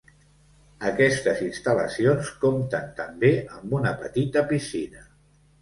Aquestes instal·lacions compten també amb una petita piscina.